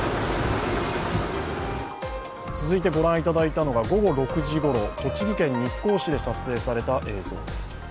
続いてご覧いただいたのが午後６時ごろ栃木県日光市で撮影された映像です。